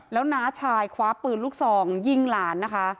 แล้วน้าชายคว้าปืนลูกซองยิงหลานนะคะ